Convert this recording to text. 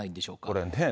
これね。